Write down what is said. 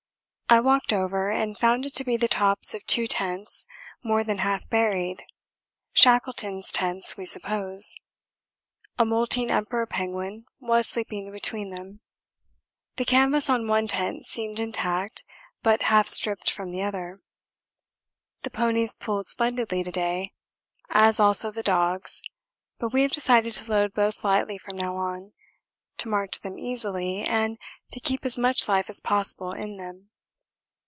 I walked over and found it to be the tops of two tents more than half buried Shackleton's tents we suppose. A moulting Emperor penguin was sleeping between them. The canvas on one tent seemed intact, but half stripped from the other. The ponies pulled splendidly to day, as also the dogs, but we have decided to load both lightly from now on, to march them easily, and to keep as much life as possible in them.